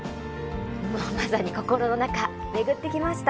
まさに心の中、巡ってきました。